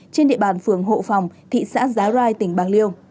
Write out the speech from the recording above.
trên địa bàn phường hộ phòng thị xã giá rai tỉnh bạc liêu